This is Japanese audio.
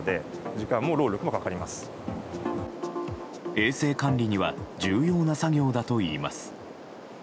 衛生管理には重要な作業だといいます。